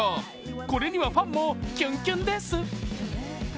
これにはファンもキュンキュンです。